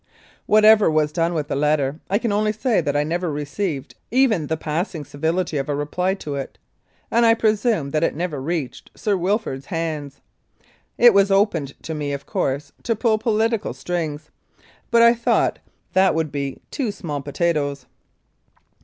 Whatever was done with the letter, I can only say that I never received even the passing civility of a reply to it, and I presume that it never reached Sir Wilfrid's hands. It was open to me, of course, to pull political strings, but I thought that would be "too small potatoes."